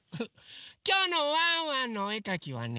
きょうのワンワンのおえかきはね